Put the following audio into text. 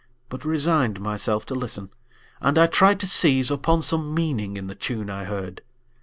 but resigned Myself to listen, and I tried to seize Upon some meaning in the tune I heard.